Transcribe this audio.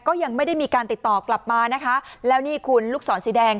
ก็ยังไม่ได้มีการติดต่อกลับมานะคะแล้วนี่คุณลูกศรสีแดง